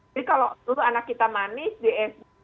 jadi kalau tuh anak kita manis di smp